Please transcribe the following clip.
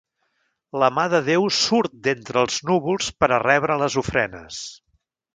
La mà de Déu surt d'entre els núvols per a rebre les ofrenes.